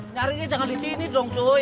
nyari nih jangan di sini dong sooy